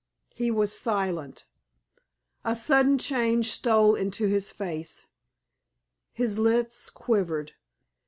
He was silent. A sudden change stole into his face. His lips quivered.